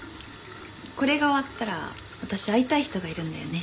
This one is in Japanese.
これが終わったら私会いたい人がいるんだよね。